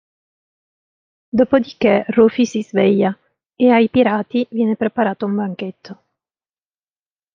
Dopodiché Rufy si sveglia, e ai pirati viene preparato un banchetto.